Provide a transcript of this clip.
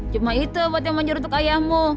cuma itu obat yang manjur untuk ayahmu